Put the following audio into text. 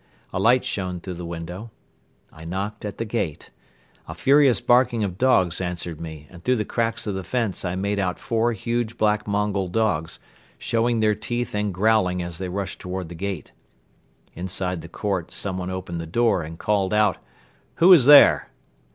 A light shone through the window. I knocked at the gate. A furious barking of dogs answered me and through the cracks of the fence I made out four huge black Mongol dogs, showing their teeth and growling as they rushed toward the gate. Inside the court someone opened the door and called out: "Who is there?"